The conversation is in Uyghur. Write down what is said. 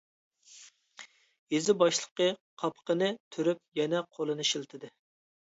يېزا باشلىقى قاپىقىنى تۈرۈپ يەنە قولىنى شىلتىدى.